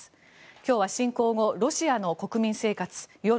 今日は侵攻後ロシアの国民生活、世論